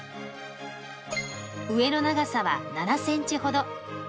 上の長さは７ｃｍほど。